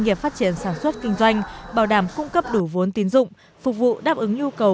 nghiệp phát triển sản xuất kinh doanh bảo đảm cung cấp đủ vốn tín dụng phục vụ đáp ứng nhu cầu